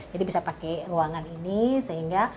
jadi bisa pakai ruangan ini sehingga